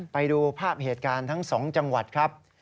ไปดูภาพเหตุการณ์ทั้ง๒จังหวัดครับ